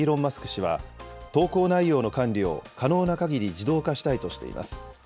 氏は、投稿内容の管理を可能なかぎり自動化したいとしています。